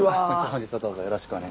本日はどうぞよろしくお願いいたします。